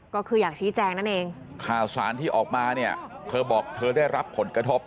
ก็คืออยากชี้แจงนั่นเองข่าวสารที่ออกมาเนี่ยเธอบอกเธอได้รับผลกระทบ